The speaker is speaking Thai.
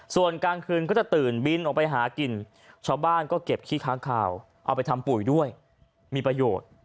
ส่วนกลางคืนก็จะตื่นบินออกไปหากินชาวบ้านก็เก็บขี้ค้างคาวเอาไปทำปุ๋ยด้วยมีประโยชน์